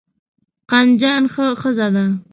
قندجان ښه ښځه ده.